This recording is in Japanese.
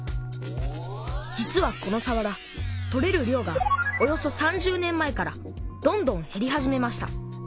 実はこのさわら取れる量がおよそ３０年前からどんどんへり始めました。